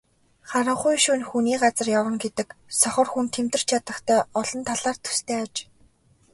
Харанхуй шөнө хүний газар явна гэдэг сохор хүн тэмтэрч ядахтай олон талаар төстэй аж.